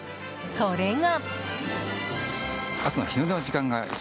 それが。